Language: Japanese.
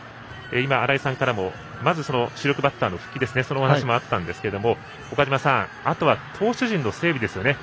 新井さんからもまず主力バッターの復帰というその話もあったんですけれども岡島さん、あとは投手陣の整備